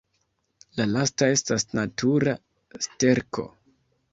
La lasta estas natura sterko.